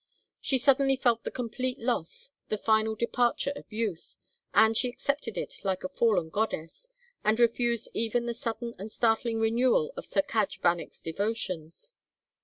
She suddenly felt the complete loss, the final departure of youth, and she accepted it like a fallen goddess, and refused even the sudden and startling renewal of Sir Cadge Vanneck's devotions.